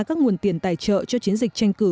các nguồn tiền tài trợ cho chiến dịch tranh cử